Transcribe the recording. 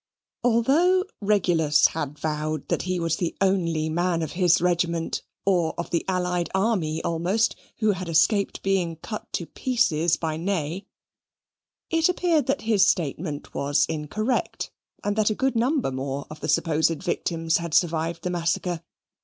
Although Regulus had vowed that he was the only man of his regiment or of the allied army, almost, who had escaped being cut to pieces by Ney, it appeared that his statement was incorrect, and that a good number more of the supposed victims had survived the massacre.